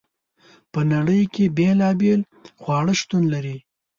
په نړۍ کې بیلابیل خواړه شتون لري.